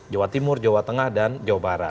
jawa timur jawa tengah dan jawa barat